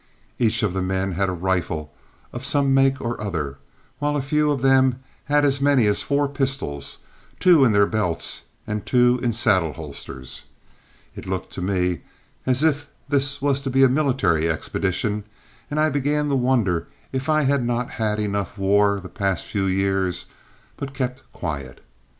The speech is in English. Each of the men had a rifle of some make or other, while a few of them had as many as four pistols, two in their belts and two in saddle holsters. It looked to me as if this was to be a military expedition, and I began to wonder if I had not had enough war the past few years, but kept quiet.